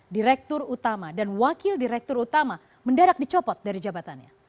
direktur utama dan wakil direktur utama mendadak dicopot dari jabatannya